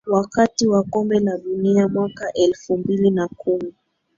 wakati wa kombe la dunia mwaka elfu mbili na kumi